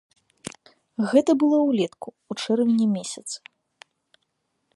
Гэта было ўлетку, у чэрвені месяцы.